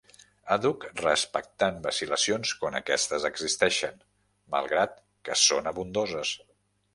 Àdhuc respectant vacil·lacions quan aquestes existeixen, malgrat que són abundoses.